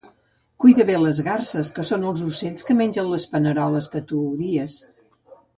Cuida bé les garses que són ocells que mengen les paneroles que tu odies